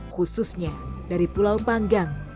khususnya dari pulau panggang